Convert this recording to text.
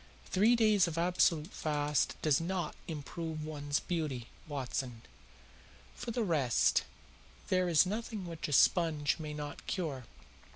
"Three days of absolute fast does not improve one's beauty, Watson. For the rest, there is nothing which a sponge may not cure.